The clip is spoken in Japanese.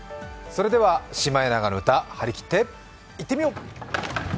それでは、「シマエナガの歌」、はりきっていってみよう！